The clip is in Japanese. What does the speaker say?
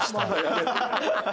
ハハハハ！